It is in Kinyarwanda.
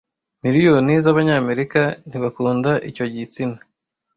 Miliyoni z' Abanyamerika ntibakunda icyo Igitsina